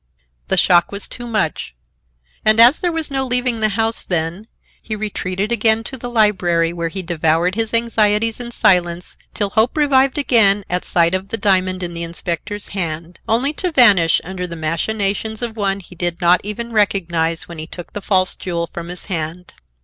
The shock was too much, and as there was no leaving the house then, he retreated again to the library where he devoured his anxieties in silence till hope revived again at sight of the diamond in the inspector's hand, only to vanish under the machinations of one he did not even recognize when he took the false jewel from his hand.